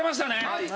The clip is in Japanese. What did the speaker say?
はい。